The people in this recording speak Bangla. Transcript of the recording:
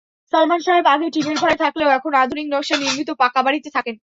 সালমান সাহেব আগে টিনের ঘরে থাকলেও এখন আধুনিক নকশায় নির্মিত পাকাবাড়িতে থাকেন।